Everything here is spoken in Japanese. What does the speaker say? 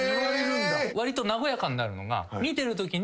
わりと和やかになるのが見てるときに。